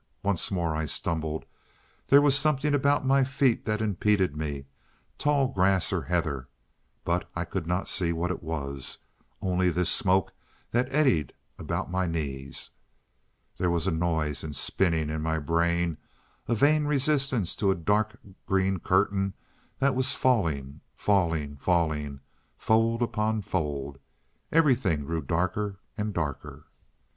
Once more I stumbled. There was something about my feet that impeded me, tall grass or heather, but I could not see what it was, only this smoke that eddied about my knees. There was a noise and spinning in my brain, a vain resistance to a dark green curtain that was falling, falling, falling, fold upon fold. Everything grew darker and darker.